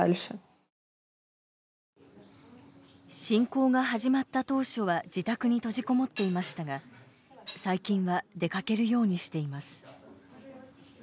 侵攻が始まった当初は自宅に閉じこもっていましたが最近は出かけるようにしています。